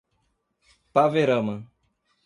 Paverama